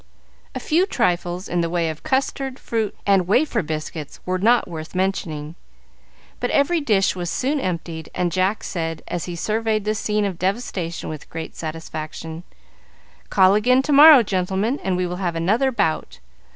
A few trifles in the way of custard, fruit, and wafer biscuits were not worth mentioning; but every dish was soon emptied, and Jack said, as he surveyed the scene of devastation with great satisfaction, "Call again to morrow, gentlemen, and we will have another bout.